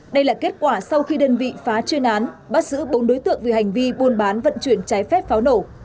đây là kết quả sau khi đơn vị phá chuyên án bắt giữ bốn đối tượng về hành vi buôn bán vận chuyển trái phép pháo nổ